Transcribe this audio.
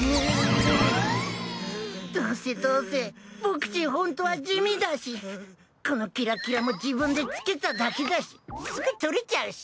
どうせどうせ僕ちんホントは地味だしこのキラキラも自分でつけただけだしすぐ取れちゃうし。